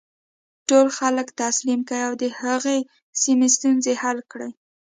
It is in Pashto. ټول خلک تسلیم کړي او د هغې سیمې ستونزې حل کړي.